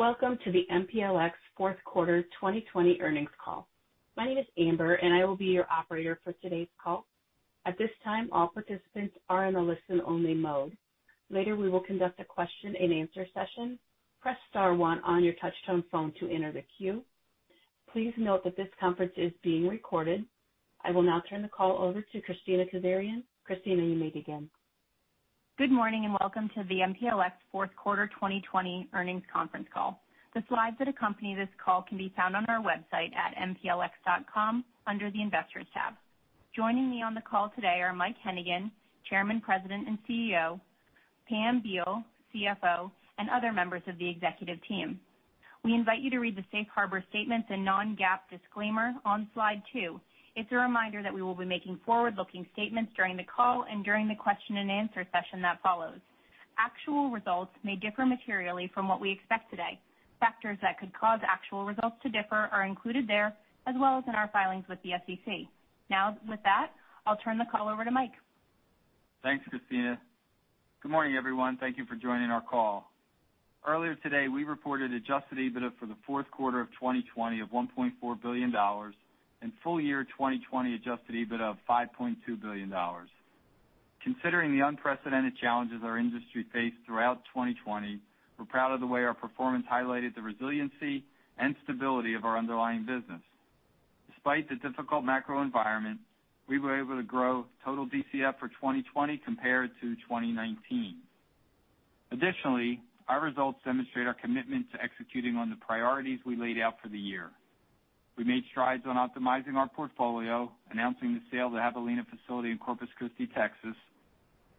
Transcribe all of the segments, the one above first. Welcome to the MPLX fourth quarter 2020 earnings call. My name is Amber, and I will be your operator for today's call. At this time, all participants are in a listen-only mode. Later, we will conduct a question-and-answer session. Press star one on your touch-tone phone to enter the queue. Please note that this conference is being recorded. I will now turn the call over to Kristina Kazarian. Kristina, you may begin. Good morning, and welcome to the MPLX fourth quarter 2020 earnings conference call. The slides that accompany this call can be found on our website at mplx.com under the Investors tab. Joining me on the call today are Mike Hennigan, Chairman, President, and CEO, Pam Beall, CFO, and other members of the executive team. We invite you to read the safe harbor statements and non-GAAP disclaimer on slide two. It's a reminder that we will be making forward-looking statements during the call and during the question-and-answer session that follows. Actual results may differ materially from what we expect today. Factors that could cause actual results to differ are included there, as well as in our filings with the SEC. With that, I'll turn the call over to Mike. Thanks, Kristina. Good morning, everyone. Thank you for joining our call. Earlier today, we reported adjusted EBITDA for the fourth quarter of 2020 of $1.4 billion and full year 2020 adjusted EBITDA of $5.2 billion. Considering the unprecedented challenges our industry faced throughout 2020, we're proud of the way our performance highlighted the resiliency and stability of our underlying business. Despite the difficult macro environment, we were able to grow total DCF for 2020 compared to 2019. Additionally, our results demonstrate our commitment to executing on the priorities we laid out for the year. We made strides on optimizing our portfolio, announcing the sale of the Javelina facility in Corpus Christi, Texas.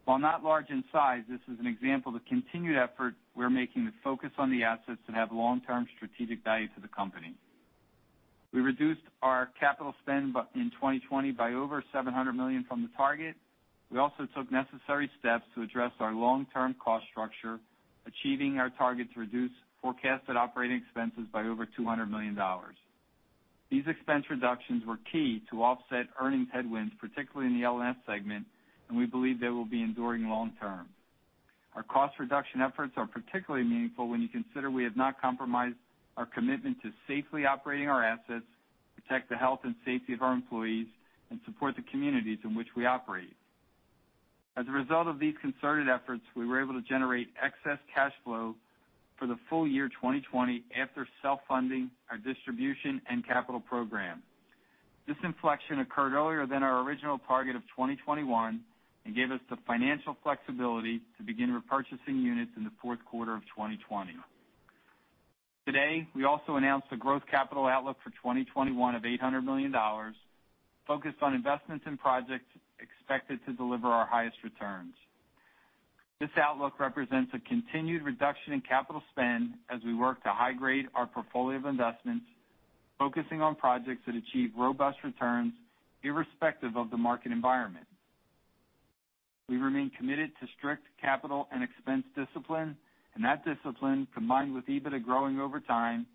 While not large in size, this is an example of the continued effort we're making to focus on the assets that have long-term strategic value to the company. We reduced our capital spend in 2020 by over $700 million from the target. We also took necessary steps to address our long-term cost structure, achieving our target to reduce forecasted operating expenses by over $200 million. These expense reductions were key to offset earnings headwinds, particularly in the L&S segment, and we believe they will be enduring long term. Our cost reduction efforts are particularly meaningful when you consider we have not compromised our commitment to safely operating our assets, protect the health and safety of our employees, and support the communities in which we operate. As a result of these concerted efforts, we were able to generate excess cash flow for the full year 2020 after self-funding our distribution and capital program. This inflection occurred earlier than our original target of 2021 and gave us the financial flexibility to begin repurchasing units in the fourth quarter of 2020. Today, we also announced a growth capital outlook for 2021 of $800 million focused on investments in projects expected to deliver our highest returns. This outlook represents a continued reduction in capital spend as we work to high grade our portfolio of investments, focusing on projects that achieve robust returns irrespective of the market environment. That discipline, combined with EBITDA growing over time,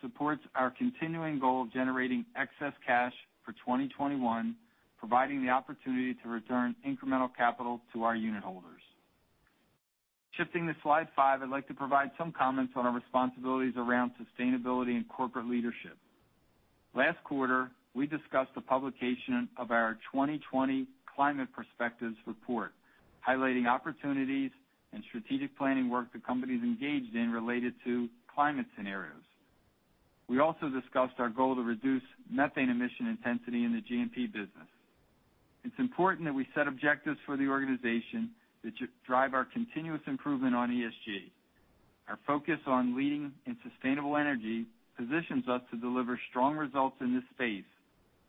supports our continuing goal of generating excess cash for 2021, providing the opportunity to return incremental capital to our unit holders. Shifting to slide five, I'd like to provide some comments on our responsibilities around sustainability and corporate leadership. Last quarter, we discussed the publication of our 2020 climate perspectives report, highlighting opportunities and strategic planning work the company's engaged in related to climate scenarios. We also discussed our goal to reduce methane emission intensity in the G&P business. It's important that we set objectives for the organization that drive our continuous improvement on ESG. Our focus on leading in sustainable energy positions us to deliver strong results in this space,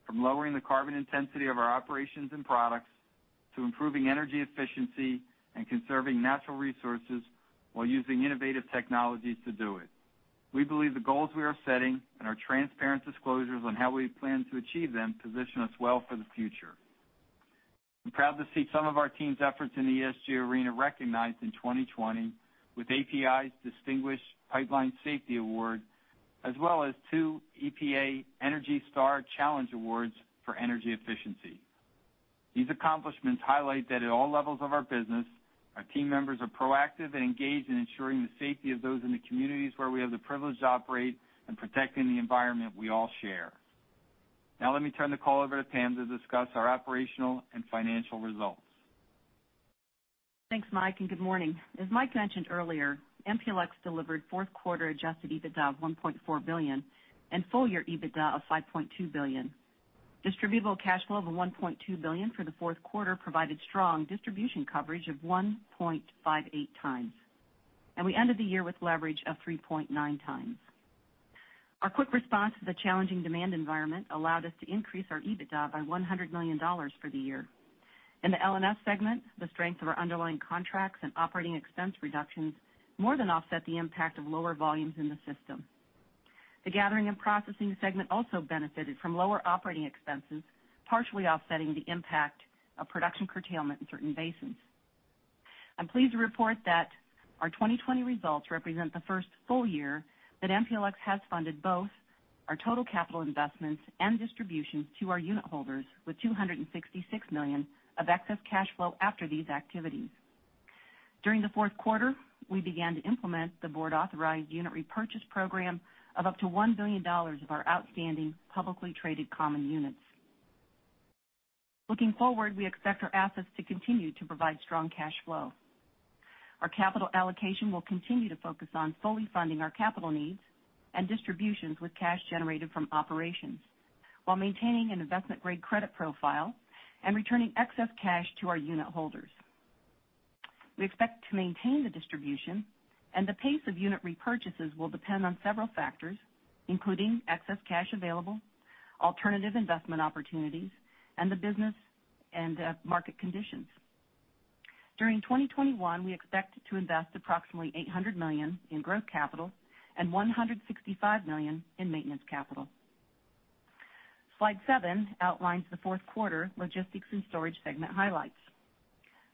from lowering the carbon intensity of our operations and products to improving energy efficiency and conserving natural resources while using innovative technologies to do it. We believe the goals we are setting and our transparent disclosures on how we plan to achieve them position us well for the future. I'm proud to see some of our team's efforts in the ESG arena recognized in 2020 with API's Distinguished Pipeline Safety Award, as well as two EPA ENERGY STAR Challenge Awards for energy efficiency. These accomplishments highlight that at all levels of our business, our team members are proactive and engaged in ensuring the safety of those in the communities where we have the privilege to operate and protecting the environment we all share. Let me turn the call over to Pam to discuss our operational and financial results. Thanks, Mike. Good morning. As Mike mentioned earlier, MPLX delivered fourth quarter adjusted EBITDA of $1.4 billion and full-year EBITDA of $5.2 billion. Distributable cash flow of $1.2 billion for the fourth quarter provided strong distribution coverage of 1.58x. We ended the year with leverage of 3.9x. Our quick response to the challenging demand environment allowed us to increase our EBITDA by $100 million for the year. In the L&S segment, the strength of our underlying contracts and operating expense reductions more than offset the impact of lower volumes in the system. The Gathering and Processing segment also benefited from lower operating expenses, partially offsetting the impact of production curtailment in certain basins. I'm pleased to report that our 2020 results represent the first full year that MPLX has funded both our total capital investments and distributions to our unit holders with $266 million of excess cash flow after these activities. During the fourth quarter, we began to implement the board-authorized unit repurchase program of up to $1 billion of our outstanding publicly traded common units. Looking forward, we expect our assets to continue to provide strong cash flow. Our capital allocation will continue to focus on fully funding our capital needs and distributions with cash generated from operations while maintaining an investment-grade credit profile and returning excess cash to our unit holders. We expect to maintain the distribution and the pace of unit repurchases will depend on several factors, including excess cash available, alternative investment opportunities, and the business and market conditions. During 2021, we expect to invest approximately $800 million in growth capital and $165 million in maintenance capital. Slide seven outlines the fourth quarter Logistics and Storage segment highlights.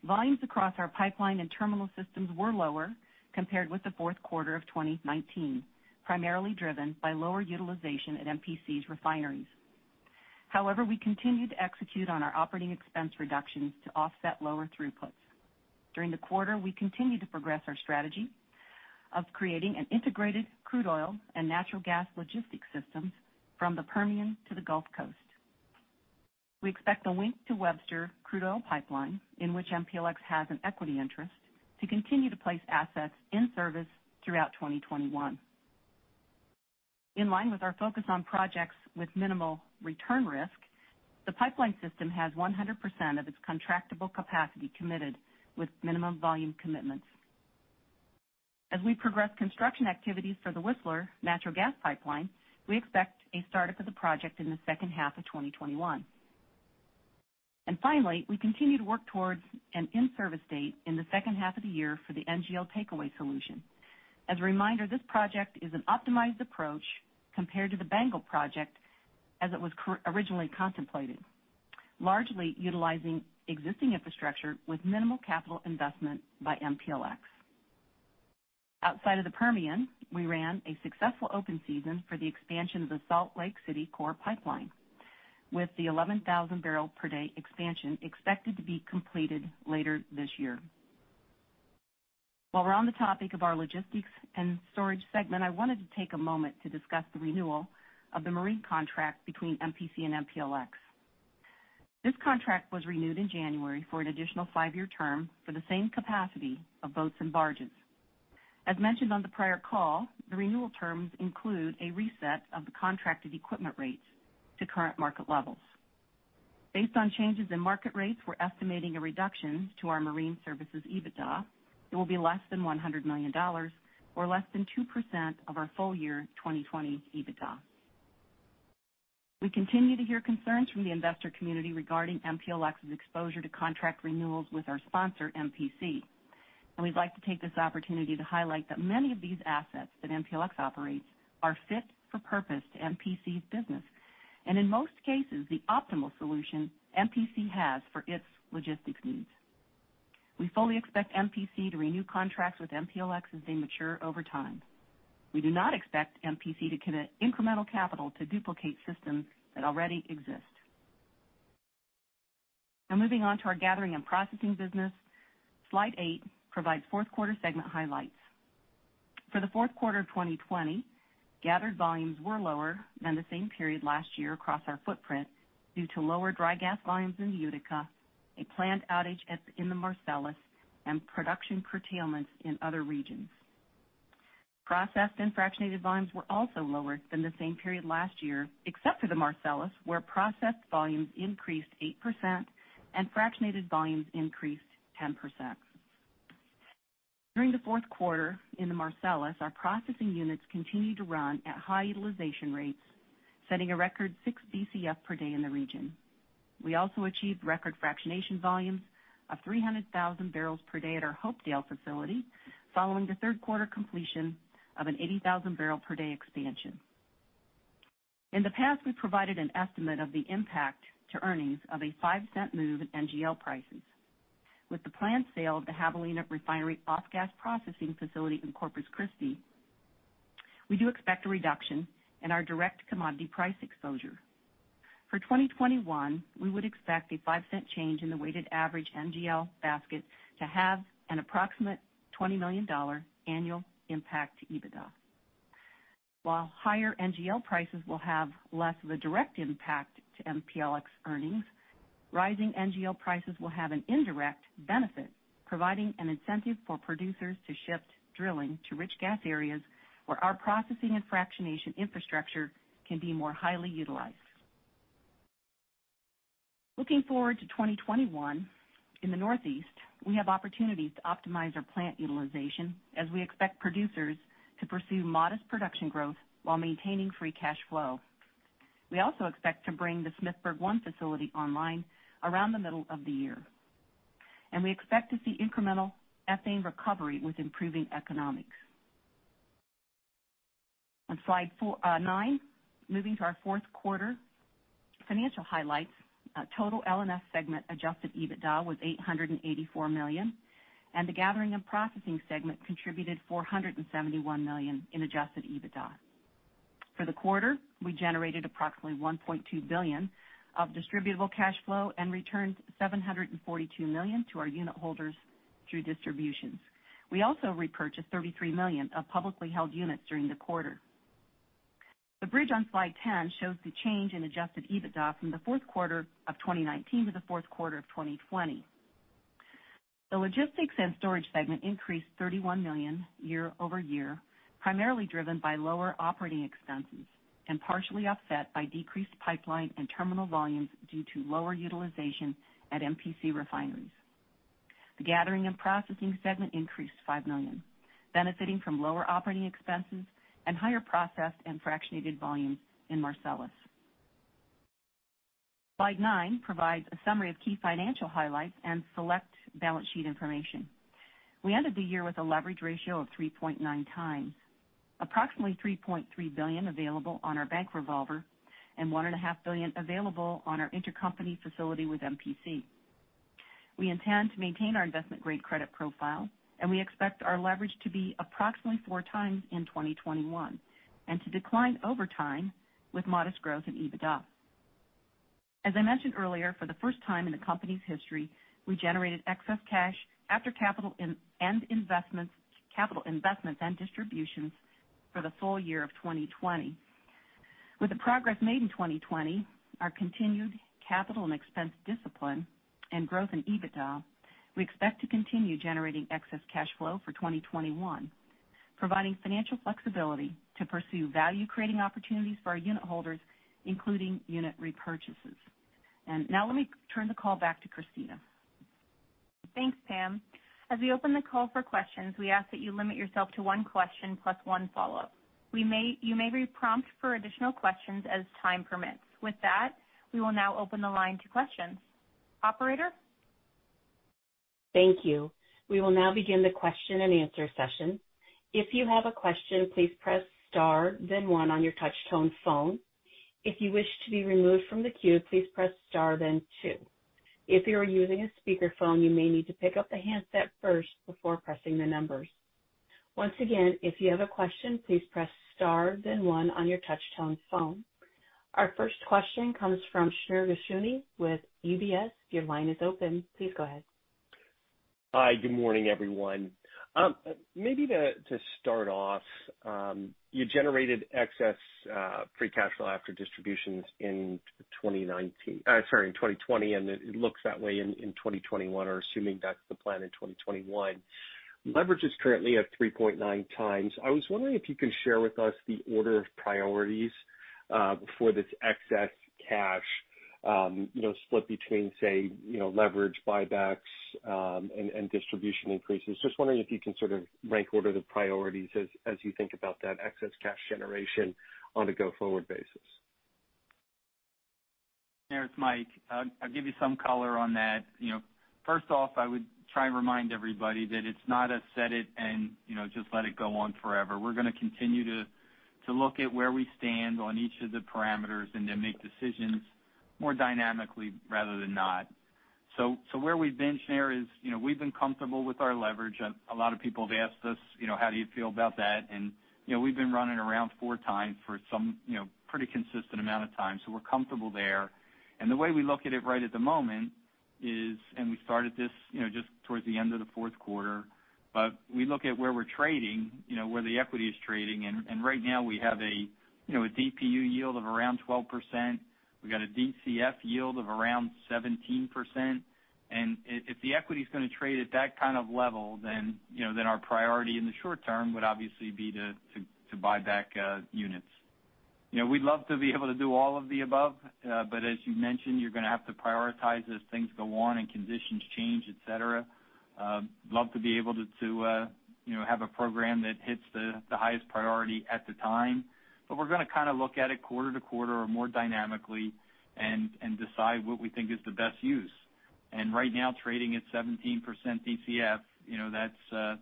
Volumes across our pipeline and terminal systems were lower compared with the fourth quarter of 2019, primarily driven by lower utilization at MPC's refineries. However, we continue to execute on our operating expense reductions to offset lower throughputs. During the quarter, we continued to progress our strategy of creating an integrated crude oil and natural gas logistics system from the Permian to the Gulf Coast. We expect the Wink to Webster crude oil pipeline, in which MPLX has an equity interest, to continue to place assets in service throughout 2021. In line with our focus on projects with minimal return risk, the pipeline system has 100% of its contractable capacity committed with minimum volume commitments. As we progress construction activities for the Whistler natural gas pipeline, we expect a startup of the project in the second half of 2021. Finally, we continue to work towards an in-service date in the second half of the year for the NGL Takeaway Solution. As a reminder, this project is an optimized approach compared to the BANGL project as it was originally contemplated, largely utilizing existing infrastructure with minimal capital investment by MPLX. Outside of the Permian, we ran a successful open season for the expansion of the Salt Lake City core pipeline, with the 11,000 bbl/d expansion expected to be completed later this year. While we're on the topic of our Logistics and Storage Segment, I wanted to take a moment to discuss the renewal of the marine contract between MPC and MPLX. This contract was renewed in January for an additional five-year term for the same capacity of boats and barges. As mentioned on the prior call, the renewal terms include a reset of the contracted equipment rates to current market levels. Based on changes in market rates, we're estimating a reduction to our marine services EBITDA. It will be less than $100 million or less than 2% of our full year 2020 EBITDA. We continue to hear concerns from the investor community regarding MPLX's exposure to contract renewals with our sponsor, MPC. We'd like to take this opportunity to highlight that many of these assets that MPLX operates are fit for purpose to MPC's business, in most cases, the optimal solution MPC has for its logistics needs. We fully expect MPC to renew contracts with MPLX as they mature over time. We do not expect MPC to commit incremental capital to duplicate systems that already exist. Moving on to our Gathering and Processing business. Slide eight provides fourth quarter segment highlights. For the fourth quarter of 2020, gathered volumes were lower than the same period last year across our footprint due to lower dry gas volumes in Utica, a planned outage in the Marcellus, and production curtailments in other regions. Processed and fractionated volumes were also lower than the same period last year, except for the Marcellus, where processed volumes increased 8% and fractionated volumes increased 10%. During the fourth quarter in the Marcellus, our processing units continued to run at high utilization rates, setting a record six Bcf/d in the region. We also achieved record fractionation volumes of 300,000 bbl/d at our Hopedale facility following the third quarter completion of an 80,000 bbl/d expansion. In the past, we provided an estimate of the impact to earnings of a $0.05 move in NGL prices. With the planned sale of the Javelina Refinery Offgas Processing Facility in Corpus Christi, we do expect a reduction in our direct commodity price exposure. For 2021, we would expect a $0.05 change in the weighted average NGL basket to have an approximate $20 million annual impact to EBITDA. While higher NGL prices will have less of a direct impact to MPLX earnings, rising NGL prices will have an indirect benefit, providing an incentive for producers to shift drilling to rich gas areas where our processing and fractionation infrastructure can be more highly utilized. Looking forward to 2021, in the Northeast, we have opportunities to optimize our plant utilization as we expect producers to pursue modest production growth while maintaining free cash flow. We also expect to bring the Smithburg 1 facility online around the middle of the year. We expect to see incremental ethane recovery with improving economics. On slide nine, moving to our fourth quarter financial highlights. Total L&S segment adjusted EBITDA was $884 million, and the Gathering and Processing segment contributed $471 million in adjusted EBITDA. For the quarter, we generated approximately $1.2 billion of distributable cash flow and returned $742 million to our unitholders through distributions. We also repurchased $33 million of publicly held units during the quarter. The bridge on slide 10 shows the change in adjusted EBITDA from the fourth quarter of 2019 to the fourth quarter of 2020. The logistics and storage segment increased $31 million year-over-year, primarily driven by lower operating expenses and partially offset by decreased pipeline and terminal volumes due to lower utilization at MPC refineries. The gathering and processing segment increased $5 million, benefiting from lower operating expenses and higher processed and fractionated volumes in Marcellus. Slide nine provides a summary of key financial highlights and select balance sheet information. We ended the year with a leverage ratio of 3.9 times, approximately $3.3 billion available on our bank revolver and $1.5 billion available on our intercompany facility with MPC. We intend to maintain our investment-grade credit profile, and we expect our leverage to be approximately 4 times in 2021 and to decline over time with modest growth in EBITDA. As I mentioned earlier, for the first time in the company's history, we generated excess cash after capital investments and distributions for the full year of 2020. With the progress made in 2020, our continued capital and expense discipline and growth in EBITDA, we expect to continue generating excess cash flow for 2021, providing financial flexibility to pursue value-creating opportunities for our unitholders, including unit repurchases. Now let me turn the call back to Kristina. Thanks, Pam. As we open the call for questions, we ask that you limit yourself to one question plus one follow-up. You may be prompted for additional questions as time permits. With that, we will now open the line to questions. Operator? Thank you. We will now begin the question and answer session. If you have a question, please press star then one on your touch-tone phone. If you wish to be removed from the queue, please press star then two. If you are using a speakerphone, you may need to pick up the handset first before pressing the numbers. Once again, if you have a question, please press star then one on your touch-tone phone. Our first question comes from Shneur Gershuni with UBS. Your line is open. Please go ahead. Hi, good morning, everyone. Maybe to start off, you generated excess free cash flow after distributions in 2019, sorry, in 2020, and it looks that way in 2021 or assuming that's the plan in 2021. Leverage is currently at 3.9 times. I was wondering if you can share with us the order of priorities for this excess cash split between, say, leverage buybacks and distribution increases. Just wondering if you can sort of rank order the priorities as you think about that excess cash generation on a go-forward basis. Shneur, it's Mike. I'll give you some color on that. First off, I would try and remind everybody that it's not a set it and just let it go on forever. We're going to continue to look at where we stand on each of the parameters and to make decisions more dynamically rather than not. Where we've been, Shneur, is we've been comfortable with our leverage. A lot of people have asked us, "How do you feel about that?" We've been running around 4x for some pretty consistent amount of time. We're comfortable there. The way we look at it right at the moment is, and we started this just towards the end of the fourth quarter, but we look at where we're trading, where the equity is trading. Right now we have a DPU yield of around 12%. We've got a DCF yield of around 17%. If the equity is going to trade at that kind of level, our priority in the short term would obviously be to buy back units. We'd love to be able to do all of the above, as you mentioned, you're going to have to prioritize as things go on and conditions change, et cetera. Love to be able to have a program that hits the highest priority at the time. We're going to kind of look at it quarter to quarter or more dynamically and decide what we think is the best use. Right now, trading at 17% DCF,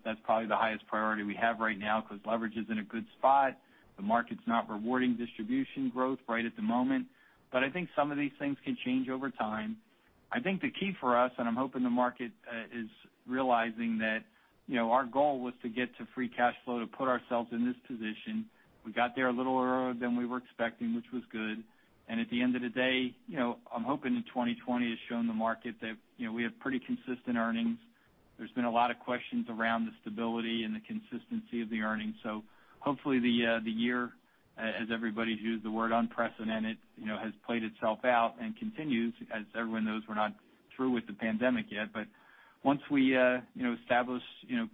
that's probably the highest priority we have right now because leverage is in a good spot. The market's not rewarding distribution growth right at the moment. I think some of these things can change over time. I think the key for us, I'm hoping the market is realizing that our goal was to get to free cash flow to put ourselves in this position. We got there a little earlier than we were expecting, which was good. At the end of the day, I'm hoping that 2020 has shown the market that we have pretty consistent earnings. There's been a lot of questions around the stability and the consistency of the earnings. Hopefully the year, as everybody's used the word unprecedented, has played itself out and continues. As everyone knows, we're not through with the pandemic yet. Once we establish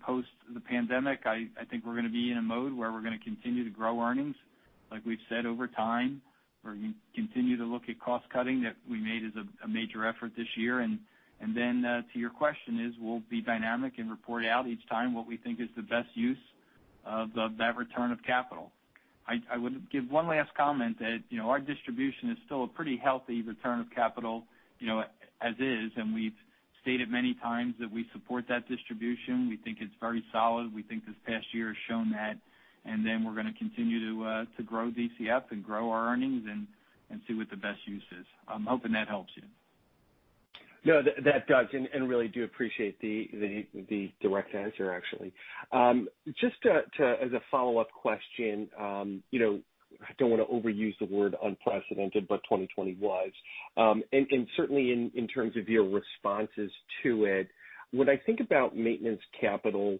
post the pandemic, I think we're going to be in a mode where we're going to continue to grow earnings. Like we've said over time, we're going to continue to look at cost cutting that we made as a major effort this year. To your question is, we'll be dynamic and report out each time what we think is the best use of that return of capital. I would give one last comment that our distribution is still a pretty healthy return of capital as is, and we've stated many times that we support that distribution. We think it's very solid. We think this past year has shown that. We're going to continue to grow DCF and grow our earnings and see what the best use is. I'm hoping that helps you. No, that does. Really do appreciate the direct answer, actually. Just as a follow-up question, I don't want to overuse the word unprecedented, but 2020 was. Certainly in terms of your responses to it, when I think about maintenance capital,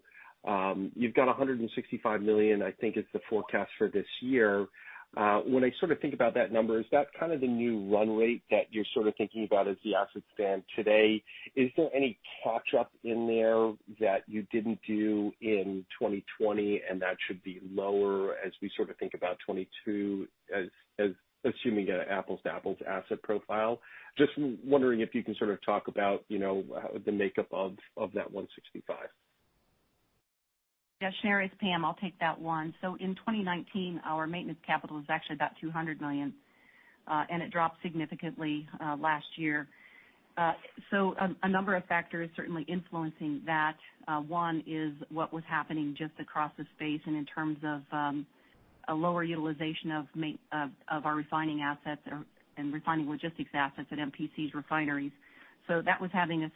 you've got $165 million, I think is the forecast for this year. When I think about that number, is that kind of the new run rate that you're thinking about as the asset stand today? Is there any catch up in there that you didn't do in 2020 and that should be lower as we think about 2022 as assuming an apples-to-apples asset profile? Just wondering if you can talk about the makeup of that $165. Yeah, Shneur, it's Pam. I'll take that one. In 2019, our maintenance capital was actually about $200 million, and it dropped significantly last year. A number of factors certainly influencing that. One is what was happening just across the space and in terms of a lower utilization of our refining assets and refining logistics assets at MPC's refineries. That was having a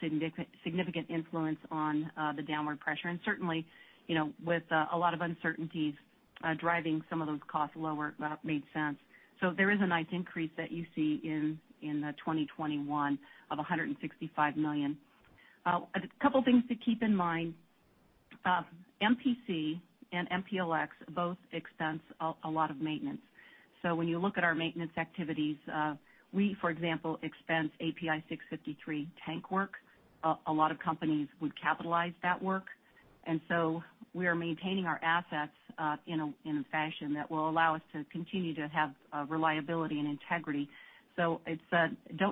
significant influence on the downward pressure. Certainly, with a lot of uncertainties driving some of those costs lower, that made sense. There is a nice increase that you see in the 2021 of $165 million. A couple things to keep in mind. MPC and MPLX both expense a lot of maintenance. When you look at our maintenance activities, we, for example, expense API 653 tank work. A lot of companies would capitalize that work. We are maintaining our assets in a fashion that will allow us to continue to have reliability and integrity. Don't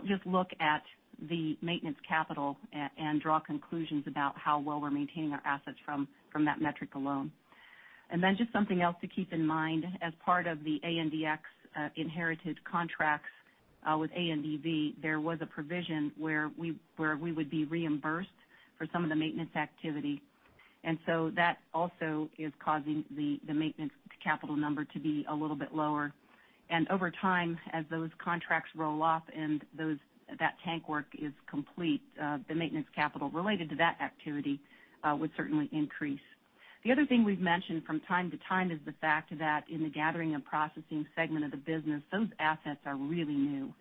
just look at the maintenance capital and draw conclusions about how well we're maintaining our assets from that metric alone. Just something else to keep in mind, as part of the ANDX inherited contracts with ANDV, there was a provision where we would be reimbursed for some of the maintenance activity. That also is causing the maintenance capital number to be a little bit lower. Over time, as those contracts roll off and that tank work is complete, the maintenance capital related to that activity would certainly increase. The other thing we've mentioned from time to time is the fact that in the Gathering and Processing segment of the business, those assets are really new.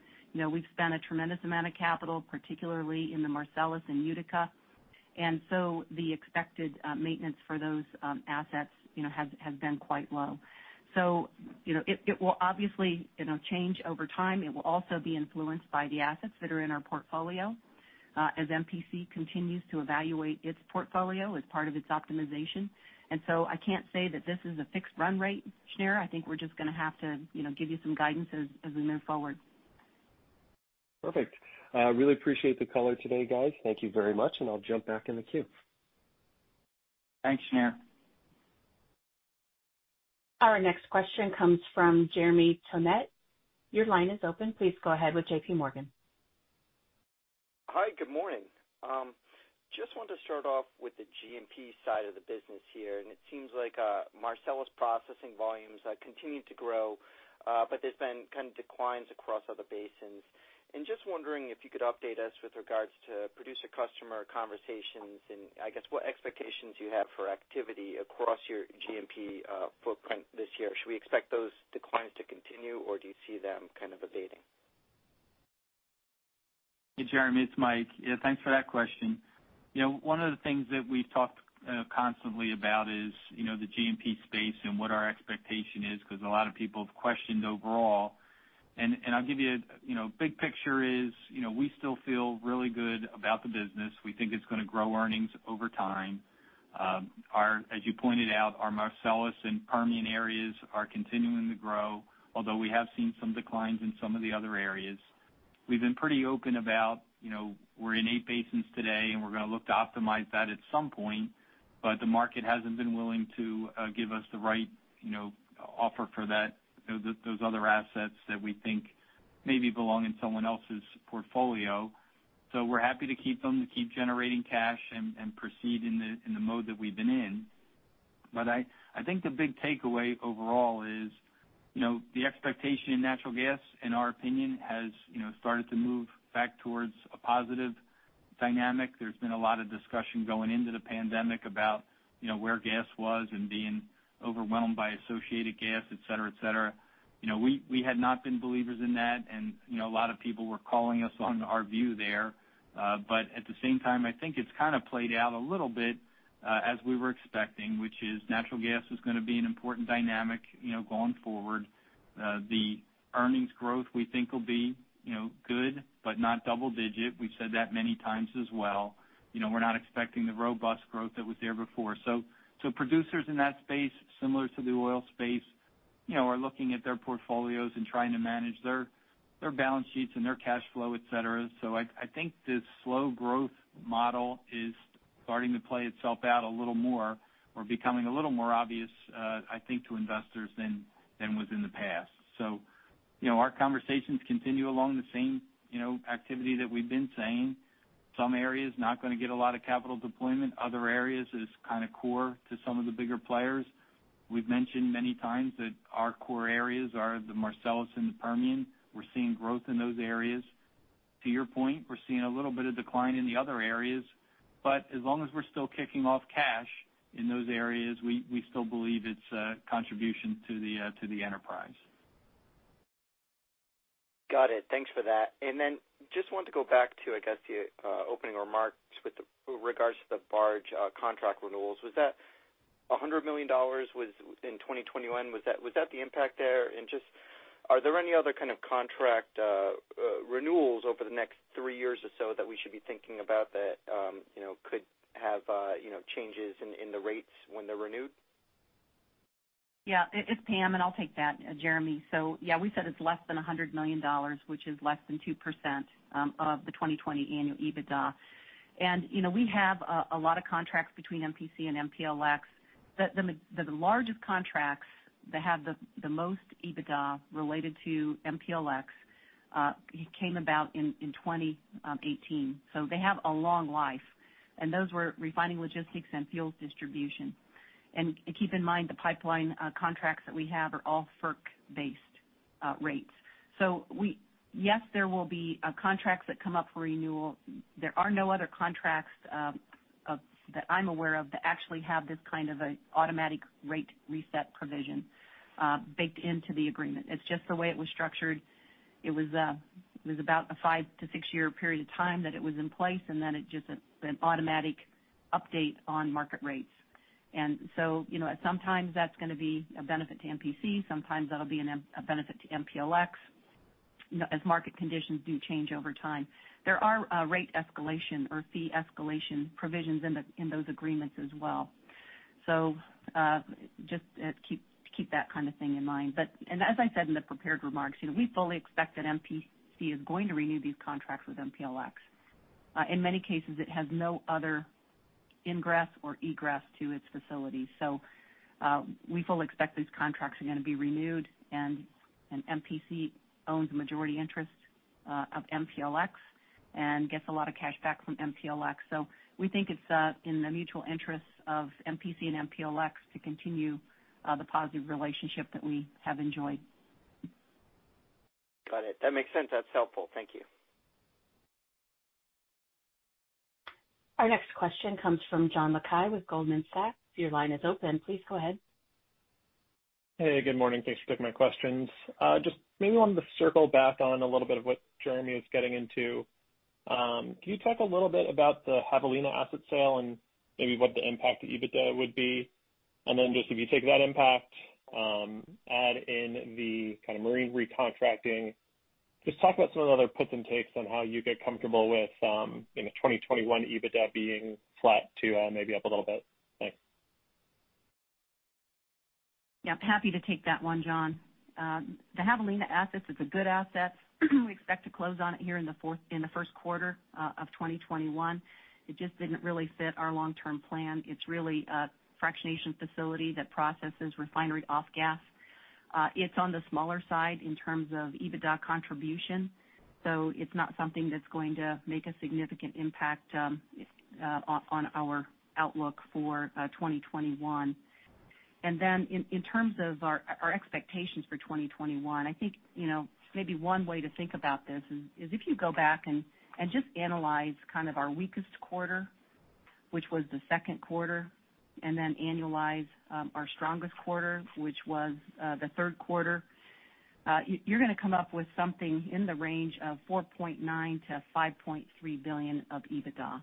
We've spent a tremendous amount of capital, particularly in the Marcellus and Utica. The expected maintenance for those assets has been quite low. It will obviously change over time. It will also be influenced by the assets that are in our portfolio as MPC continues to evaluate its portfolio as part of its optimization. I can't say that this is a fixed run rate, Shneur. I think we're just going to have to give you some guidance as we move forward. Perfect. Really appreciate the color today, guys. Thank you very much. I'll jump back in the queue. Thanks, Shneur. Our next question comes from Jeremy Tonet. Your line is open. Please go ahead with JPMorgan. Hi, good morning. Just wanted to start off with the G&P side of the business here, and it seems like Marcellus processing volumes continue to grow, but there's been kind of declines across other basins. Just wondering if you could update us with regards to producer-customer conversations, and I guess what expectations you have for activity across your G&P footprint this year. Should we expect those declines to continue, or do you see them kind of abating? Hey, Jeremy, it's Mike. Yeah, thanks for that question. One of the things that we talk constantly about is the G&P space and what our expectation is, because a lot of people have questioned overall. I'll give you, big picture is we still feel really good about the business. We think it's going to grow earnings over time. As you pointed out, our Marcellus and Permian areas are continuing to grow, although we have seen some declines in some of the other areas. We've been pretty open about we're in eight basins today, and we're going to look to optimize that at some point. The market hasn't been willing to give us the right offer for those other assets that we think maybe belong in someone else's portfolio. We're happy to keep them, to keep generating cash and proceed in the mode that we've been in. I think the big takeaway overall is the expectation in natural gas, in our opinion, has started to move back towards a positive dynamic. There's been a lot of discussion going into the pandemic about where gas was and being overwhelmed by associated gas, et cetera. We had not been believers in that and a lot of people were calling us on our view there. At the same time, I think it's kind of played out a little bit as we were expecting, which is natural gas is going to be an important dynamic going forward. The earnings growth we think will be good, but not double-digit. We've said that many times as well. We're not expecting the robust growth that was there before. Producers in that space, similar to the oil space, are looking at their portfolios and trying to manage their balance sheets and their cash flow, et cetera. I think this slow growth model is starting to play itself out a little more or becoming a little more obvious, I think, to investors than was in the past. Our conversations continue along the same activity that we've been saying. Some areas not going to get a lot of capital deployment. Other areas is kind of core to some of the bigger players. We've mentioned many times that our core areas are the Marcellus and the Permian. We're seeing growth in those areas. To your point, we're seeing a little bit of decline in the other areas, but as long as we're still kicking off cash in those areas, we still believe it's a contribution to the enterprise. Got it. Thanks for that. Just wanted to go back to, I guess, the opening remarks with regards to the barge contract renewals. Was that $100 million in 2021? Was that the impact there? Just are there any other kind of contract renewals over the next three years or so that we should be thinking about that could have changes in the rates when they're renewed? Yeah. It's Pam, and I'll take that, Jeremy. Yeah, we said it's less than $100 million, which is less than 2% of the 2020 annual EBITDA. We have a lot of contracts between MPC and MPLX. The largest contracts that have the most EBITDA related to MPLX came about in 2018. They have a long life. Those were refining logistics and fuels distribution. Keep in mind, the pipeline contracts that we have are all FERC-based rates. Yes, there will be contracts that come up for renewal. There are no other contracts that I'm aware of that actually have this kind of an automatic rate reset provision baked into the agreement. It's just the way it was structured. It was about a five- to six-year period of time that it was in place, and then it just an automatic update on market rates. At some times, that's going to be a benefit to MPC, sometimes that'll be a benefit to MPLX, as market conditions do change over time. There are rate escalation or fee escalation provisions in those agreements as well. Just keep that kind of thing in mind. As I said in the prepared remarks, we fully expect that MPC is going to renew these contracts with MPLX. In many cases, it has no other ingress or egress to its facilities. We fully expect these contracts are going to be renewed, and MPC owns a majority interest of MPLX and gets a lot of cash back from MPLX. We think it's in the mutual interest of MPC and MPLX to continue the positive relationship that we have enjoyed. Got it. That makes sense. That's helpful. Thank you. Our next question comes from John Mackay with Goldman Sachs. Your line is open. Please go ahead. Hey, good morning. Thanks for taking my questions. Just maybe wanted to circle back on a little bit of what Jeremy is getting into. Can you talk a little bit about the Javelina asset sale and maybe what the impact to EBITDA would be? Just if you take that impact, add in the kind of marine recontracting, just talk about some of the other puts and takes on how you get comfortable with 2021 EBITDA being flat to maybe up a little bit. Thanks. Yeah, happy to take that one, John. The Javelina asset is a good asset. We expect to close on it here in the first quarter of 2021. It just didn't really fit our long-term plan. It's really a fractionation facility that processes refinery off-gas. It's on the smaller side in terms of EBITDA contribution. It's not something that's going to make a significant impact on our outlook for 2021. In terms of our expectations for 2021, I think maybe one way to think about this is if you go back and just analyze our weakest quarter, which was the second quarter, and then annualize our strongest quarter, which was the third quarter you're going to come up with something in the range of $4.9 billion-$5.3 billion of EBITDA.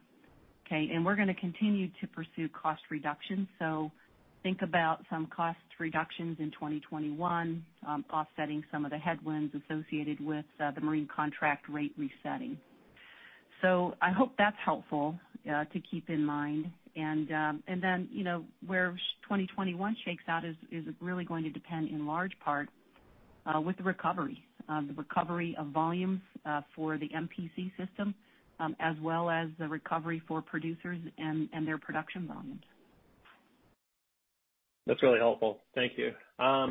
Okay? We're going to continue to pursue cost reductions. Think about some cost reductions in 2021 offsetting some of the headwinds associated with the marine contract rate resetting. I hope that's helpful to keep in mind. Where 2021 shakes out is really going to depend in large part with the recovery. The recovery of volumes for the MPC system as well as the recovery for producers and their production volumes. That's really helpful. Thank you.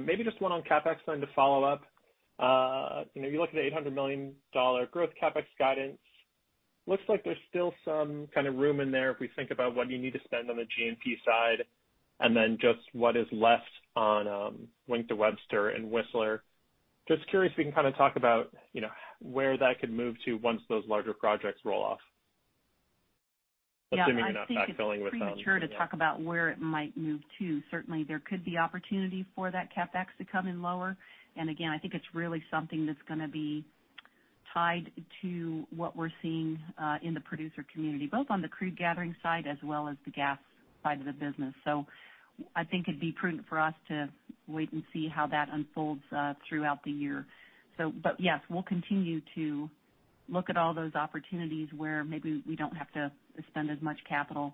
Maybe just one on CapEx then to follow up. If you look at the $800 million growth CapEx guidance, looks like there's still some kind of room in there if we think about what you need to spend on the G&P side, and then just what is left on Wink to Webster and Whistler. Just curious if you can kind of talk about where that could move to once those larger projects roll off. Assuming you're not backfilling with- Yeah, I think it's premature to talk about where it might move to. Certainly, there could be opportunity for that CapEx to come in lower. Again, I think it's really something that's going to be tied to what we're seeing in the producer community, both on the crude gathering side as well as the gas side of the business. I think it'd be prudent for us to wait and see how that unfolds throughout the year. Yes, we'll continue to look at all those opportunities where maybe we don't have to spend as much capital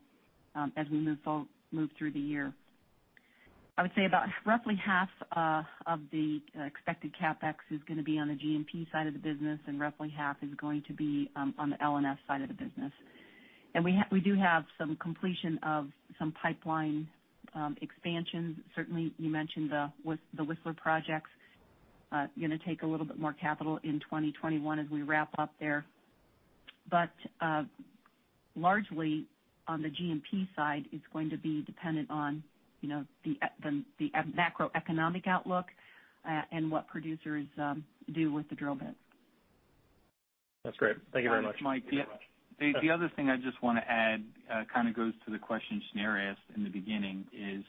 as we move through the year. I would say about roughly half of the expected CapEx is going to be on the G&P side of the business, and roughly half is going to be on the L&S side of the business. We do have some completion of some pipeline expansion. Certainly, you mentioned the Whistler projects. Going to take a little bit more capital in 2021 as we wrap up there. Largely on the G&P side, it's going to be dependent on the macroeconomic outlook and what producers do with the drill bits. That's great. Thank you very much. Mike, the other thing I just want to add kind of goes to the question Shneur asked in the beginning is,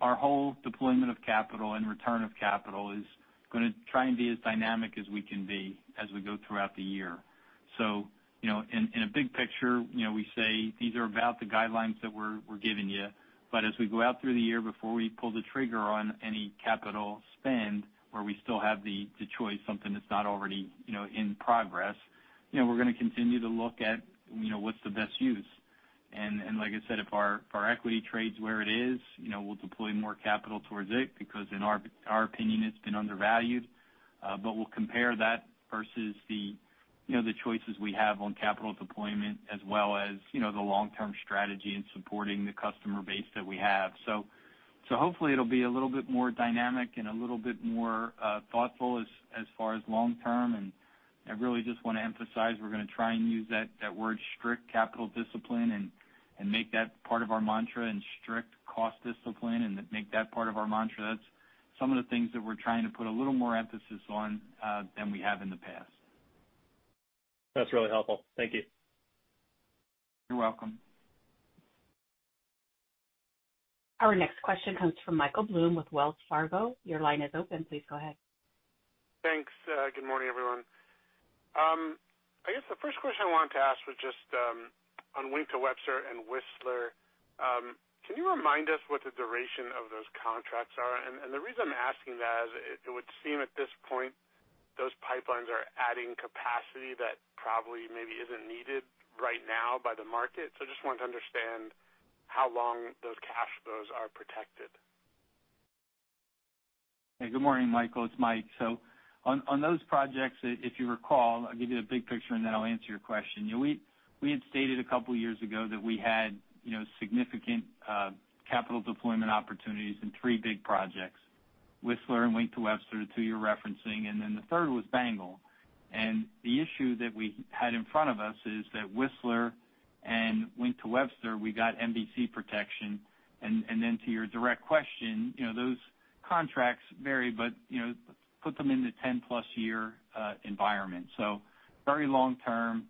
our whole deployment of capital and return of capital is going to try and be as dynamic as we can be as we go throughout the year. In a big picture, we say these are about the guidelines that we're giving you. As we go out through the year, before we pull the trigger on any capital spend where we still have the choice, something that's not already in progress, we're going to continue to look at what's the best use. Like I said, if our equity trades where it is, we'll deploy more capital towards it because in our opinion, it's been undervalued. We'll compare that versus the choices we have on capital deployment as well as the long-term strategy and supporting the customer base that we have. Hopefully it'll be a little bit more dynamic and a little bit more thoughtful as far as long-term, and I really just want to emphasize we're going to try and use that word strict capital discipline and make that part of our mantra and strict cost discipline, and make that part of our mantra. That's some of the things that we're trying to put a little more emphasis on than we have in the past. That's really helpful. Thank you. You're welcome. Our next question comes from Michael Blum with Wells Fargo. Your line is open. Please go ahead. Thanks. Good morning, everyone. I guess the first question I wanted to ask was just on Wink to Webster and Whistler. Can you remind us what the duration of those contracts are? The reason I'm asking that is it would seem at this point those pipelines are adding capacity that probably maybe isn't needed right now by the market. I just wanted to understand how long those cash flows are protected. Hey, good morning, Michael. It's Mike. On those projects, if you recall, I'll give you the big picture, and then I'll answer your question. We had stated a couple of years ago that we had significant capital deployment opportunities in three big projects. Whistler and Wink to Webster, the two you're referencing, and then the third was BANGL. The issue that we had in front of us is that Whistler and Wink to Webster, we got MVC protection, and then to your direct question, those contracts vary, but put them in the 10+ year environment. Very long-term.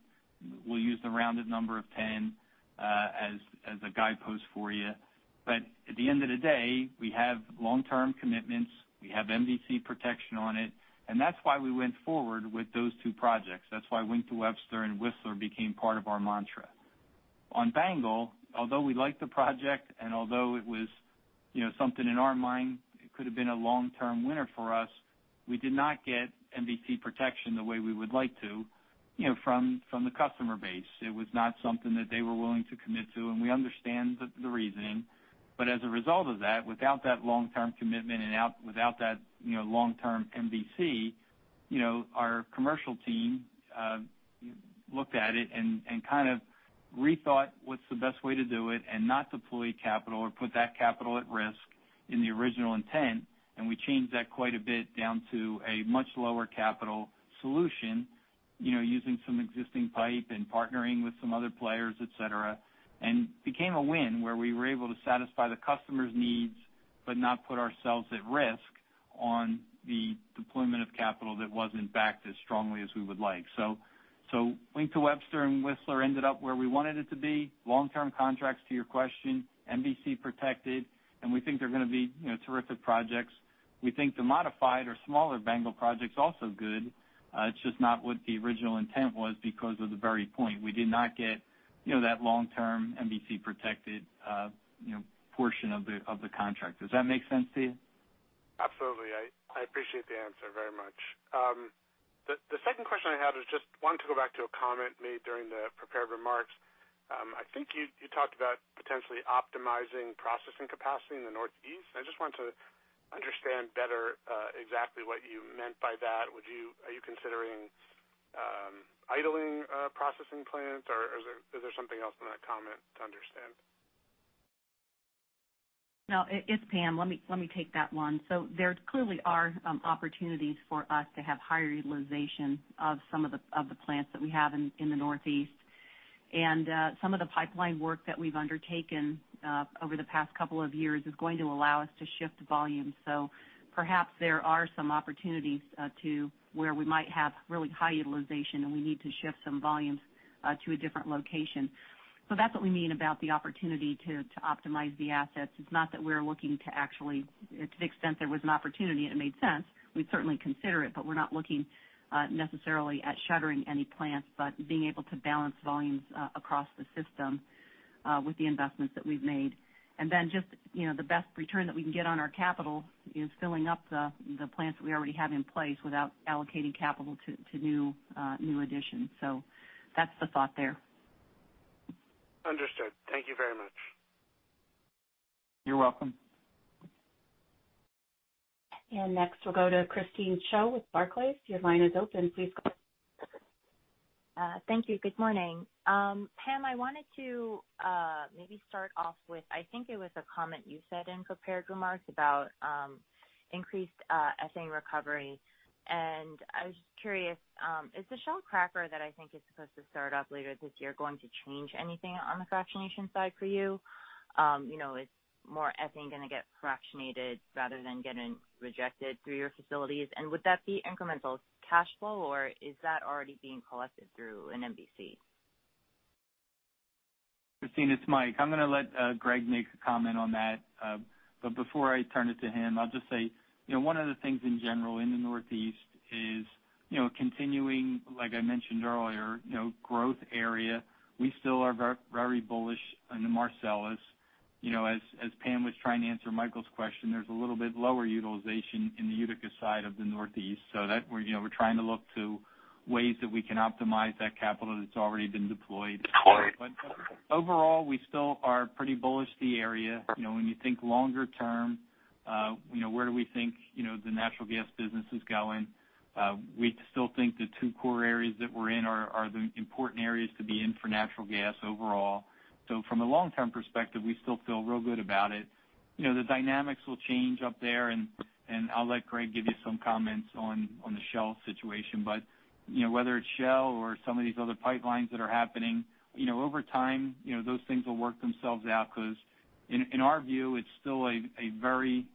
We'll use the rounded number of 10 as a guidepost for you. At the end of the day, we have long-term commitments. We have MVC protection on it, and that's why we went forward with those two projects. That's why Wink to Webster and Whistler became part of our mantra. On BANGL, although we like the project, and although it was something in our mind it could have been a long-term winner for us, we did not get MVC protection the way we would like to from the customer base. It was not something that they were willing to commit to, and we understand the reasoning. As a result of that, without that long-term commitment and without that long-term MVC, our commercial team looked at it and kind of rethought what's the best way to do it and not deploy capital or put that capital at risk in the original intent. We changed that quite a bit down to a much lower capital solution using some existing pipe and partnering with some other players, et cetera, and became a win where we were able to satisfy the customer's needs but not put ourselves at risk on the deployment of capital that wasn't backed as strongly as we would like. Wink to Webster and Whistler ended up where we wanted it to be. Long-term contracts to your question, MVC protected, and we think they're going to be terrific projects. We think the modified or smaller BANGL project's also good. It's just not what the original intent was because of the very point. We did not get that long-term MVC protected portion of the contract. Does that make sense to you? Absolutely. I appreciate the answer very much. The second question I had was just wanted to go back to a comment made during the prepared remarks. I think you talked about potentially optimizing processing capacity in the Northeast. I just wanted to understand better exactly what you meant by that. Are you considering idling a processing plant, or is there something else in that comment to understand? No, it's Pam. Let me take that one. There clearly are opportunities for us to have higher utilization of some of the plants that we have in the Northeast. Some of the pipeline work that we've undertaken over the past couple of years is going to allow us to shift volume. Perhaps there are some opportunities to where we might have really high utilization, and we need to shift some volumes to a different location. That's what we mean about the opportunity to optimize the assets. It's not that we're looking to actually, to the extent there was an opportunity and it made sense, we'd certainly consider it, but we're not looking necessarily at shuttering any plants, but being able to balance volumes across the system with the investments that we've made. The best return that we can get on our capital is filling up the plants that we already have in place without allocating capital to new additions. That's the thought there. Understood. Thank you very much. You're welcome. Next we'll go to Christine Cho with Barclays. Your line is open. Thank you. Good morning. Pam, I wanted to maybe start off with, I think it was a comment you said in prepared remarks about increased ethane recovery. I was just curious, is the Shell cracker that I think is supposed to start up later this year going to change anything on the fractionation side for you? Is more ethane going to get fractionated rather than getting rejected through your facilities? Would that be incremental cash flow, or is that already being collected through an MPC? Christine, it's Mike. I'm going to let Greg make a comment on that. Before I turn it to him, I'll just say, one of the things in general in the Northeast is continuing, like I mentioned earlier, growth area. We still are very bullish on the Marcellus. As Pam was trying to answer Michael's question, there's a little bit lower utilization in the Utica side of the Northeast. We're trying to look to ways that we can optimize that capital that's already been deployed. Overall, we still are pretty bullish the area. When you think longer term, where do we think the natural gas business is going? We still think the two core areas that we're in are the important areas to be in for natural gas overall. From a long-term perspective, we still feel real good about it. The dynamics will change up there, and I'll let Greg give you some comments on the Shell situation. Whether it's Shell or some of these other pipelines that are happening, over time, those things will work themselves out. In our view, it's still a very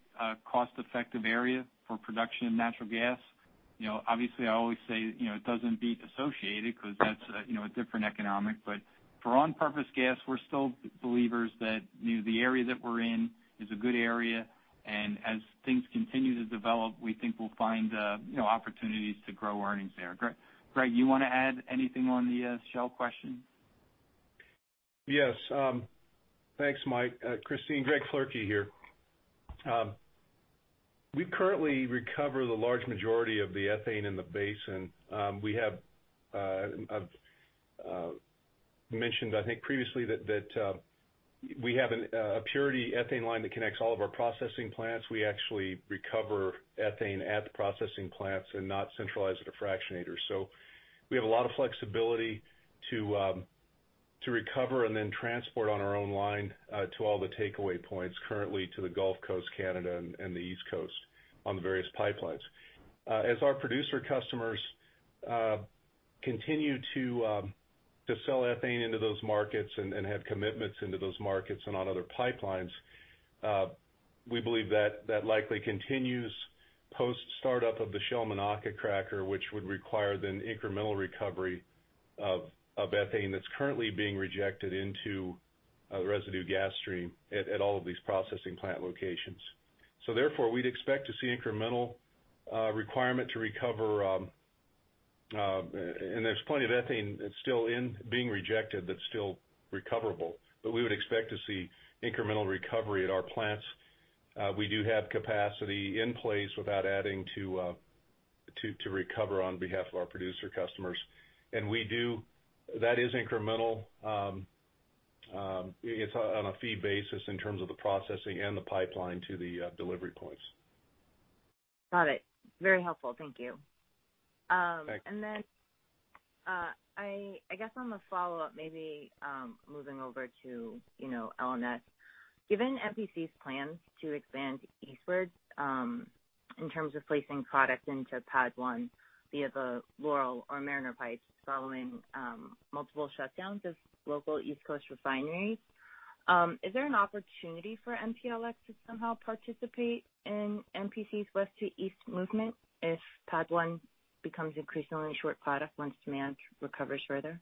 cost-effective area for production of natural gas. Obviously, I always say it doesn't beat associated because that's a different economic. For on-purpose gas, we're still believers that the area that we're in is a good area, and as things continue to develop, we think we'll find opportunities to grow earnings there. Greg, you want to add anything on the Shell question? Yes. Thanks, Mike. Christine, Greg Floerke here. We currently recover the large majority of the ethane in the basin. We have mentioned, I think previously, that we have a purity ethane line that connects all of our processing plants. We actually recover ethane at the processing plants and not centralize at a fractionator. We have a lot of flexibility to recover and then transport on our own line to all the takeaway points currently to the Gulf Coast, Canada, and the East Coast on the various pipelines. As our producer customers continue to sell ethane into those markets and have commitments into those markets and on other pipelines, we believe that likely continues post-startup of the Shell Monaca cracker, which would require then incremental recovery of ethane that's currently being rejected into a residue gas stream at all of these processing plant locations. Therefore, we'd expect to see incremental requirement to recover. There's plenty of ethane that's still in being rejected, that's still recoverable. We would expect to see incremental recovery at our plants. We do have capacity in place without adding to recover on behalf of our producer customers. That is incremental. It's on a fee basis in terms of the processing and the pipeline to the delivery points. Got it. Very helpful. Thank you. Thanks. I guess on the follow-up, maybe moving over to L&S. Given MPC's plans to expand eastward in terms of placing product into PADD 1 via the Laurel or Mariner pipes following multiple shutdowns of local East Coast refineries, is there an opportunity for MPLX to somehow participate in MPC's west to east movement if PADD 1 becomes increasingly short product once demand recovers further?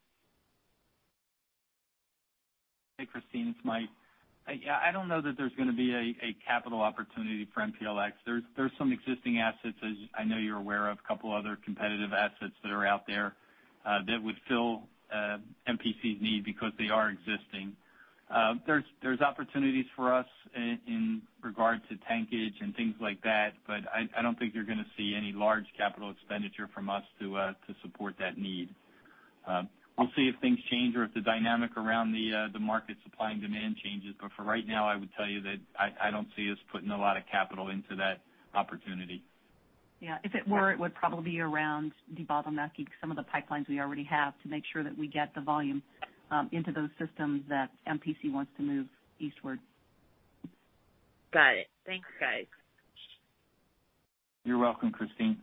Hey, Christine, it's Mike. I don't know that there's going to be a capital opportunity for MPLX. There's some existing assets, as I know you're aware of, couple other competitive assets that are out there that would fill MPC's need because they are existing. There's opportunities for us in regard to tankage and things like that, but I don't think you're going to see any large capital expenditure from us to support that need. We'll see if things change or if the dynamic around the market supply and demand changes. For right now, I would tell you that I don't see us putting a lot of capital into that opportunity. Yeah. If it were, it would probably be around debottlenecking some of the pipelines we already have to make sure that we get the volume into those systems that MPC wants to move eastward. Got it. Thanks, guys. You're welcome, Christine.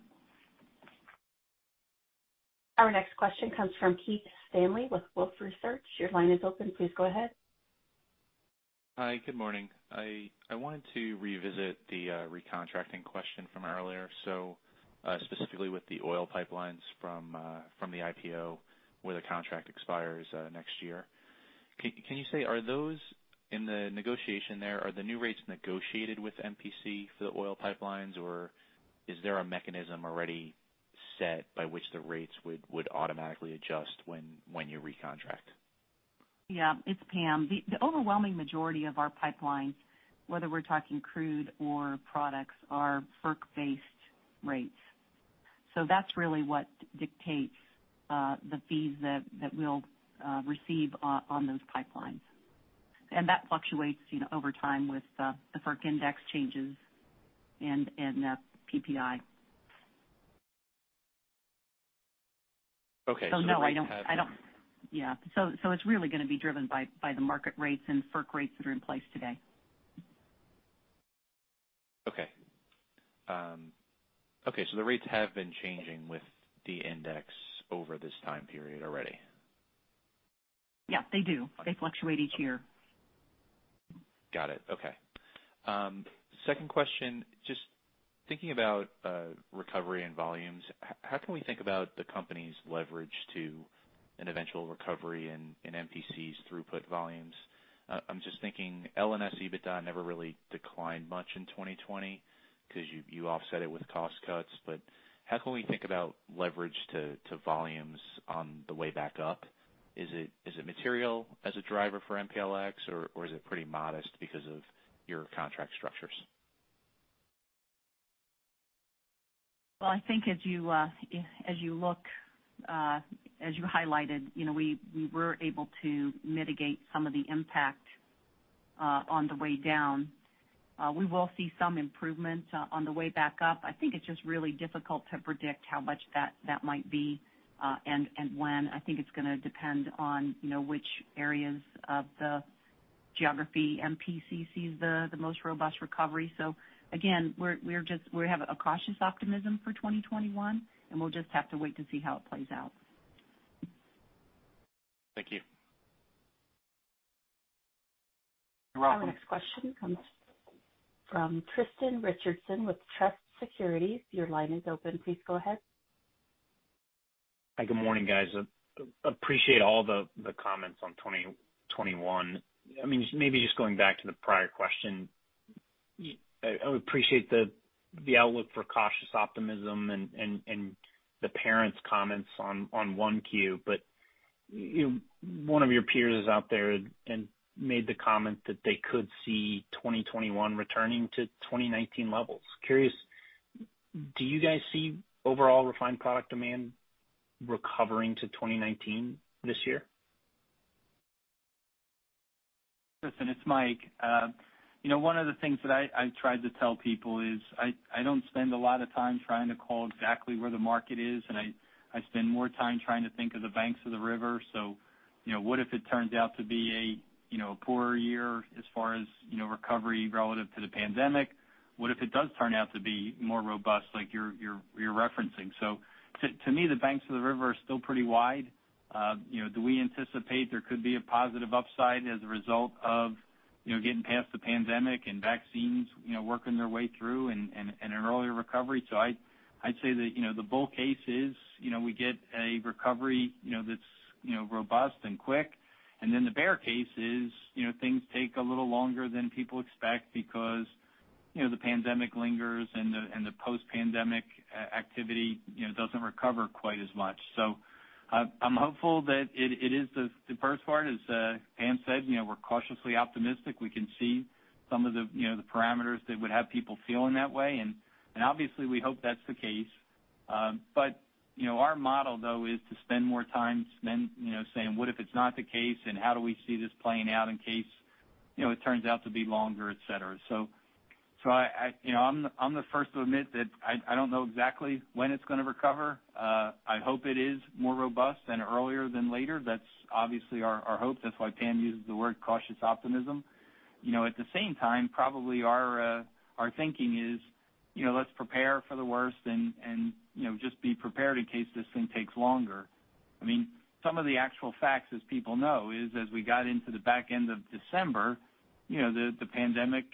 Our next question comes from Keith Stanley with Wolfe Research. Your line is open. Please go ahead. Hi. Good morning. I wanted to revisit the recontracting question from earlier. Specifically with the oil pipelines from the IPO where the contract expires next year. Can you say, are those in the negotiation there, are the new rates negotiated with MPC for the oil pipelines, or is there a mechanism already set by which the rates would automatically adjust when you recontract? Yeah. It's Pam. The overwhelming majority of our pipelines, whether we're talking crude or products, are FERC-based rates. That's really what dictates the fees that we'll receive on those pipelines. That fluctuates over time with the FERC index changes and the PPI. Okay. No, it's really going to be driven by the market rates and FERC rates that are in place today. Okay. The rates have been changing with the index over this time period already. Yeah, they do. They fluctuate each year. Got it. Okay. Second question, just thinking about recovery and volumes. How can we think about the company's leverage to an eventual recovery in MPC's throughput volumes? I'm just thinking, L&S EBITDA never really declined much in 2020 because you offset it with cost cuts. How can we think about leverage to volumes on the way back up? Is it material as a driver for MPLX, or is it pretty modest because of your contract structures? Well, I think as you highlighted, we were able to mitigate some of the impact on the way down. We will see some improvement on the way back up. I think it's just really difficult to predict how much that might be and when. I think it's going to depend on which areas of the geography MPC sees the most robust recovery. Again, we have a cautious optimism for 2021, and we'll just have to wait to see how it plays out. Thank you. You're welcome. Our next question comes from Tristan Richardson with Truist Securities. Your line is open. Please go ahead. Hi, good morning, guys. Appreciate all the comments on 2021. Maybe just going back to the prior question. I appreciate the outlook for cautious optimism and the parent's comments on 1Q. One of your peers is out there and made the comment that they could see 2021 returning to 2019 levels. Curious, do you guys see overall refined product demand recovering to 2019 this year? Tristan, it's Mike. One of the things that I tried to tell people is I don't spend a lot of time trying to call exactly where the market is, and I spend more time trying to think of the banks of the river. What if it turns out to be a poorer year as far as recovery relative to the pandemic? What if it does turn out to be more robust like you're referencing? To me, the banks of the river are still pretty wide. Do we anticipate there could be a positive upside as a result of getting past the pandemic and vaccines working their way through and an earlier recovery? I'd say that the bull case is we get a recovery that's robust and quick, and then the bear case is things take a little longer than people expect because the pandemic lingers and the post-pandemic activity doesn't recover quite as much. I'm hopeful that it is the first part. As Pam said, we're cautiously optimistic. We can see some of the parameters that would have people feeling that way, and obviously, we hope that's the case. Our model, though, is to spend more time saying, what if it's not the case, and how do we see this playing out in case it turns out to be longer, et cetera. I'm the first to admit that I don't know exactly when it's going to recover. I hope it is more robust and earlier than later. That's obviously our hope. That's why Pam uses the word cautious optimism. At the same time, probably our thinking is, let's prepare for the worst and just be prepared in case this thing takes longer. Some of the actual facts, as people know, is as we got into the back end of December, the pandemic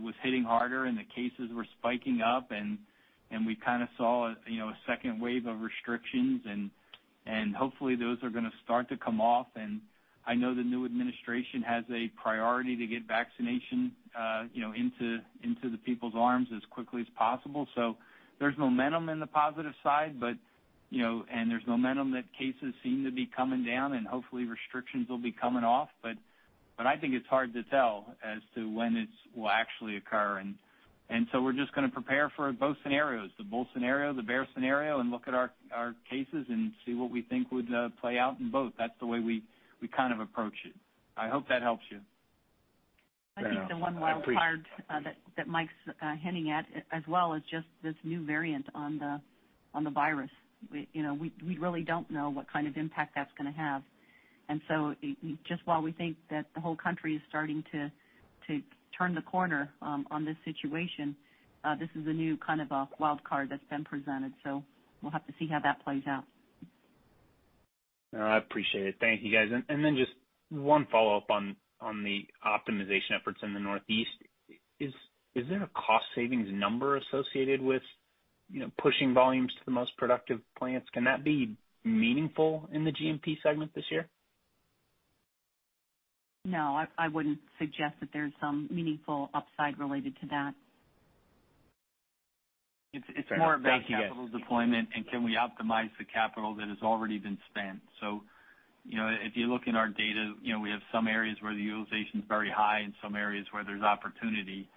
was hitting harder and the cases were spiking up, and we kind of saw a second wave of restrictions. Hopefully, those are going to start to come off. I know the new administration has a priority to get vaccination into the people's arms as quickly as possible. There's momentum in the positive side, and there's momentum that cases seem to be coming down, and hopefully restrictions will be coming off. I think it's hard to tell as to when this will actually occur. We're just going to prepare for both scenarios, the bull scenario, the bear scenario, and look at our cases and see what we think would play out in both. That's the way we kind of approach it. I hope that helps you. Yeah, no, I appreciate it. I think the one wild card that Mike's hinting at as well is just this new variant on the virus. We really don't know what kind of impact that's going to have. Just while we think that the whole country is starting to turn the corner on this situation, this is a new kind of a wild card that's been presented. We'll have to see how that plays out. No, I appreciate it. Thank you, guys. Just one follow-up on the optimization efforts in the Northeast. Is there a cost savings number associated with pushing volumes to the most productive plants? Can that be meaningful in the G&P segment this year? No, I wouldn't suggest that there's some meaningful upside related to that. It's more about capital deployment. Fair enough. Thank you, guys. Can we optimize the capital that has already been spent. If you look in our data, we have some areas where the utilization is very high and some areas where there's opportunity.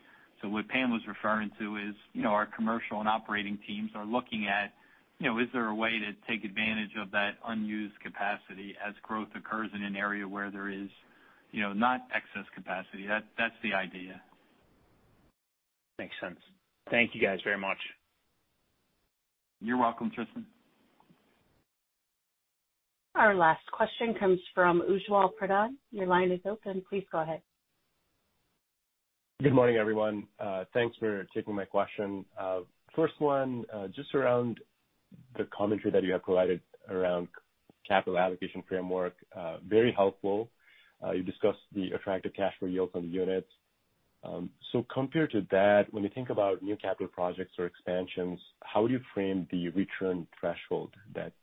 What Pam was referring to is our commercial and operating teams are looking at, is there a way to take advantage of that unused capacity as growth occurs in an area where there is not excess capacity? That's the idea. Makes sense. Thank you guys very much. You're welcome, Tristan. Our last question comes from Ujjwal Pradhan. Your line is open. Please go ahead. Good morning, everyone. Thanks for taking my question. First one, just around the commentary that you have provided around capital allocation framework. Very helpful. You discussed the attractive cash flow yield from the units. Compared to that, when you think about new capital projects or expansions, how would you frame the return threshold that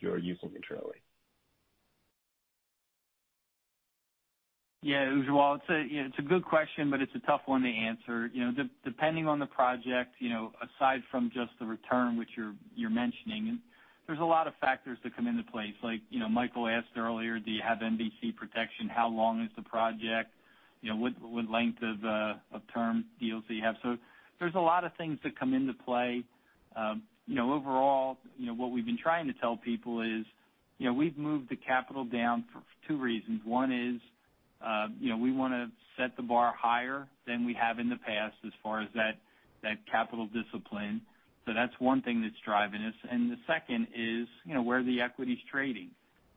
you're using internally? Yeah, Ujjwal, it's a good question. It's a tough one to answer. Depending on the project, aside from just the return which you're mentioning, there's a lot of factors that come into place. Michael asked earlier, do you have MVC protection? How long is the project? What length of term deals that you have? There's a lot of things that come into play. Overall, what we've been trying to tell people is, we've moved the capital down for two reasons. One is, we want to set the bar higher than we have in the past as far as that capital discipline. That's one thing that's driving us, and the second is where the equity's trading.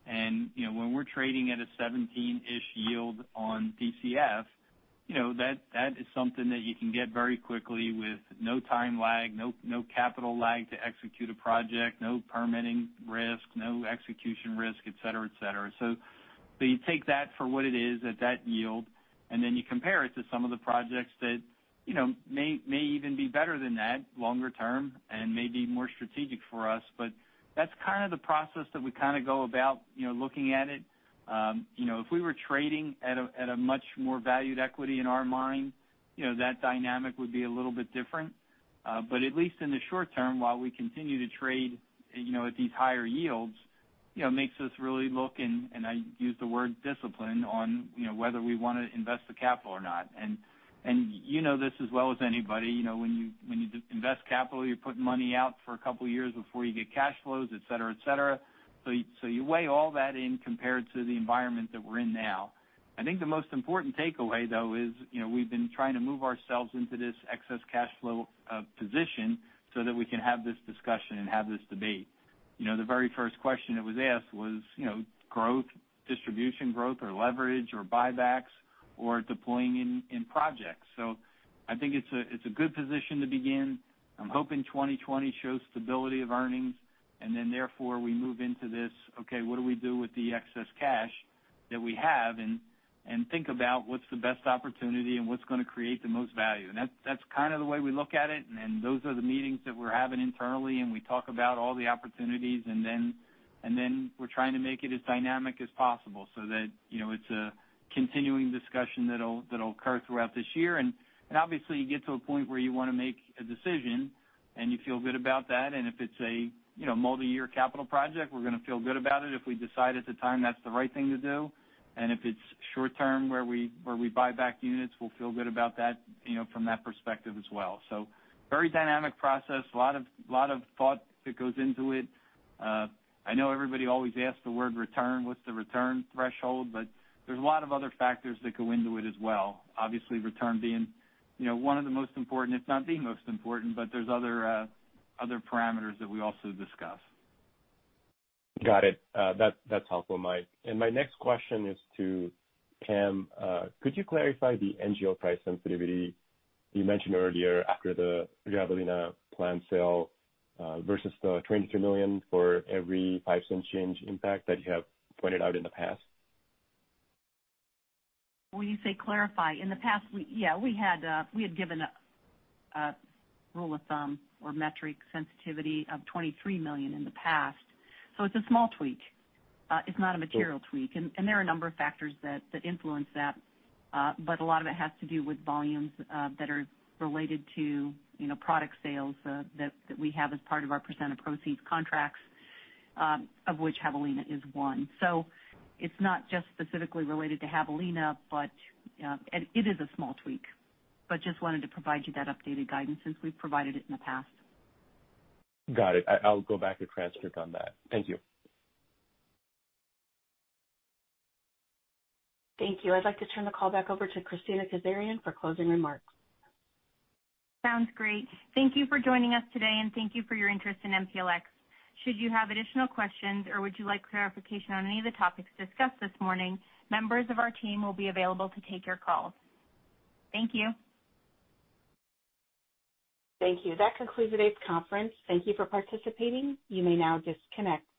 When we're trading at a 17-ish yield on DCF, that is something that you can get very quickly with no time lag, no capital lag to execute a project, no permitting risk, no execution risk, et cetera. You take that for what it is at that yield, and then you compare it to some of the projects that may even be better than that longer term and may be more strategic for us. That's kind of the process that we kind of go about looking at it. If we were trading at a much more valued equity in our mind, that dynamic would be a little bit different. At least in the short term, while we continue to trade at these higher yields, it makes us really look, and I use the word discipline on whether we want to invest the capital or not. You know this as well as anybody. When you invest capital, you're putting money out for a couple of years before you get cash flows, et cetera. You weigh all that in compared to the environment that we're in now. I think the most important takeaway, though, is we've been trying to move ourselves into this excess cash flow position so that we can have this discussion and have this debate. The very first question that was asked was growth, distribution growth, or leverage or buybacks or deploying in projects. I think it's a good position to begin. I'm hoping 2020 shows stability of earnings and then therefore we move into this, okay, what do we do with the excess cash that we have? Think about what's the best opportunity and what's going to create the most value. That's kind of the way we look at it. Those are the meetings that we're having internally, and we talk about all the opportunities. We're trying to make it as dynamic as possible so that it's a continuing discussion that'll occur throughout this year. Obviously, you get to a point where you want to make a decision, and you feel good about that. If it's a multi-year capital project, we're going to feel good about it if we decide at the time that's the right thing to do. If it's short-term where we buy back units, we'll feel good about that from that perspective as well. Very dynamic process. A lot of thought that goes into it. I know everybody always asks the word return, what's the return threshold? There's a lot of other factors that go into it as well. Return being one of the most important, if not the most important, but there's other parameters that we also discuss. Got it. That's helpful, Mike. My next question is to Pam. Could you clarify the NGL price sensitivity you mentioned earlier after the Javelina plant sale versus the $23 million for every $0.05 change impact that you have pointed out in the past? When you say clarify, in the past, yeah, we had given a rule of thumb or metric sensitivity of $23 million in the past. It's a small tweak. It's not a material tweak. There are a number of factors that influence that. A lot of it has to do with volumes that are related to product sales that we have as part of our percent of proceeds contracts, of which Javelina is one. It's not just specifically related to Javelina, but it is a small tweak. Just wanted to provide you that updated guidance since we've provided it in the past. Got it. I'll go back to transcript on that. Thank you. Thank you. I'd like to turn the call back over to Kristina Kazarian for closing remarks. Sounds great. Thank you for joining us today, and thank you for your interest in MPLX. Should you have additional questions or would you like clarification on any of the topics discussed this morning, members of our team will be available to take your call. Thank you. Thank you. That concludes today's conference. Thank you for participating. You may now disconnect.